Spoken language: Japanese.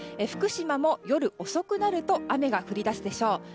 福島も夜遅くなると雨が降り出すでしょう。